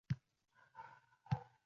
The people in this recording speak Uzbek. Yig‘lab yuborishdan o‘zini zo‘rg‘a tiydi